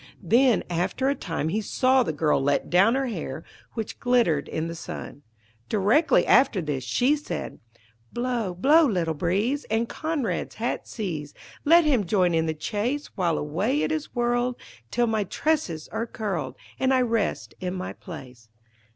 Then, after a time, he saw the girl let down her hair, which glittered in the sun. Directly after this, she said 'Blow, blow, little breeze, And Conrad's hat seize. Let him join in the chase While away it is whirled, Till my tresses are curled And I rest in my place.'